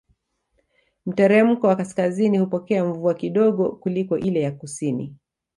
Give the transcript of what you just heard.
Mteremko wa kaskazini hupokea mvua kidogo kuliko ile ya kusini